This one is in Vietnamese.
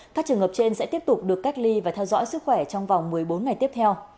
các trường hợp trên sẽ tiếp tục được cách ly và theo dõi sức khỏe trong vòng một mươi bốn ngày tiếp theo